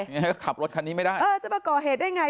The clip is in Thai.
งั้นก็ขับรถคันนี้ไม่ได้เออจะมาก่อเหตุได้ไง